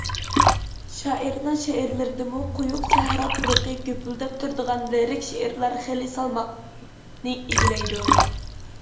شائىرنىڭ شېئىرلىرىدىمۇ قويۇق سەھرا پۇرىقى گۈپۈلدەپ تۇرىدىغان لىرىك شېئىرلار خېلى سالماقنى ئىگىلەيدۇ.